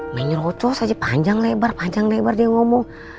main rocos aja panjang lebar panjang lebar dia ngomong